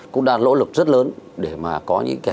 cũng đang lỗ lực rất lớn để mà có những